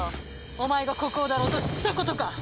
お前が国王だろうと知ったことか！